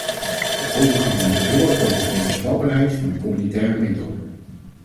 De overgang naar de euro toont de levensvatbaarheid van de communautaire methode.